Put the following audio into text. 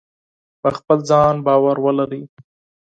په خپل ځان باور ولرئ.